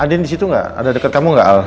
andin di situ gak ada deket kamu gak al